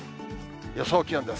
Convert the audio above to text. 予想気温です。